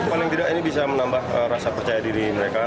paling tidak ini bisa menambah rasa percaya diri mereka